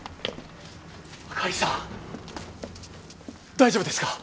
大丈夫ですか？